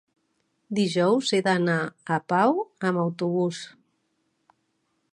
dijous he d'anar a Pau amb autobús.